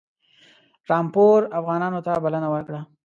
رامپور افغانانو ته بلنه ورکړه.